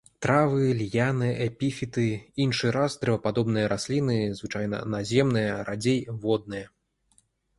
Травы, ліяны, эпіфіты, іншы раз дрэвападобныя расліны, звычайна наземныя, радзей водныя.